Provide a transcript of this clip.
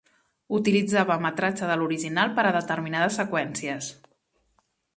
Utilitzava metratge de l'original per a determinades seqüències.